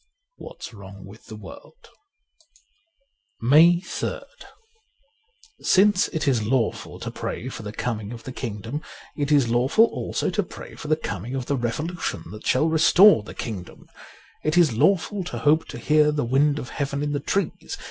' What's Wrong with the World: 134 MAY 3rd SINCE it is lawful to pray for the coming of the Kingdom, it is lawful also to pray for the coming of the revolution that shall restore the Kingdom. It is lawful to hope to hear the wind of Heaven in the trees.